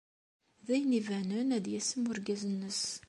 D ayen ibanen ad yasem urgaz-nnes.